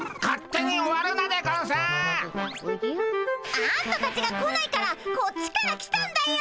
あんたたちが来ないからこっちから来たんだよっ！